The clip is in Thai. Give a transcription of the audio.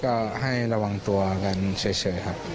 ก็ให้ระวังตัวกันเฉยครับ